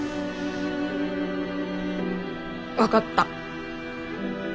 分かった。